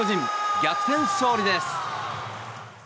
逆転勝利です。